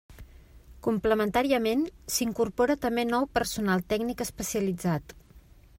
Complementàriament, s'incorpora també nou personal tècnic especialitzat.